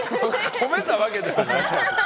褒めたわけではない。